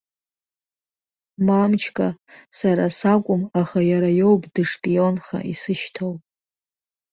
Мамчка, сара сакәым, аха иара иоуп дышпионха исышьҭоу.